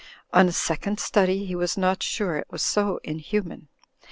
On a second study, he was not sure it was so inhuman.